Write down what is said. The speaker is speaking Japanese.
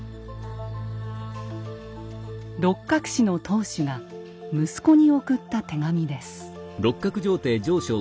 六角氏の当主が息子に送った手紙です。